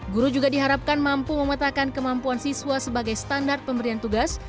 guru juga diharapkan mampu memetakan kemampuan siswa sebagai standar pemberian tugas